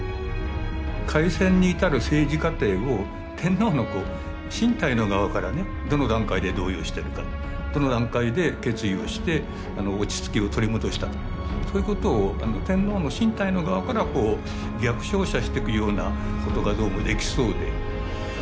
開戦に至る政治過程を天皇の身体の側からねどの段階で動揺してるかどの段階で決意をして落ち着きを取り戻したかそういうことを天皇の身体の側から逆照射してくようなことがどうもできそうで。